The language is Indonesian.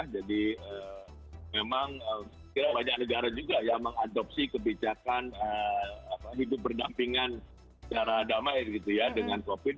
jadi memang banyak negara juga yang mengadopsi kebijakan hidup berdampingan secara damai dengan covid